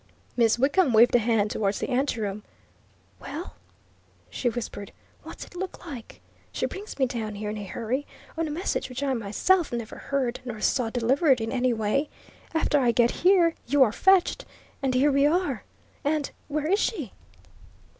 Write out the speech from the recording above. Miss Wickham waved a hand towards the anteroom. "Well!" she whispered. "What's it look like? She brings me down here in a hurry, on a message which I myself never heard nor saw delivered in any way; after I get here, you are fetched and here we are! And where is she?"